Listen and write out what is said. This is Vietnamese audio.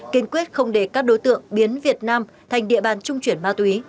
kiên quyết không để các đối tượng biến việt nam thành địa bàn trung chuyển ma túy